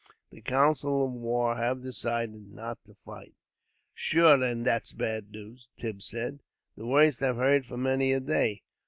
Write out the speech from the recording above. The council of war have decided not to fight." "Shure and that's bad news," Tim said. "The worst I've heard for many a day.